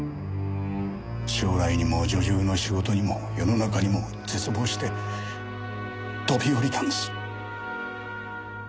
将来にも女優の仕事にも世の中にも絶望して飛び降りたんです。